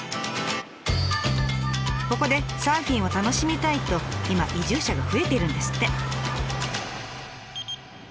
ここでサーフィンを楽しみたいと今移住者が増えてるんですって。